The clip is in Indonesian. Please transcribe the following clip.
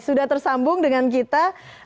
sudah tersambung dengan kita